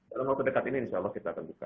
dalam waktu dekat ini insya allah kita akan buka